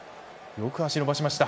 よく足、伸ばしました。